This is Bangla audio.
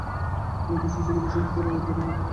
তাঁর উদ্দেশ্য ছিল কৃষকদের আয় বাড়ানো।